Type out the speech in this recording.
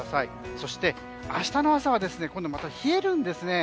そして明日の朝は今度また冷えるんですね。